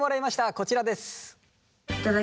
こちらです。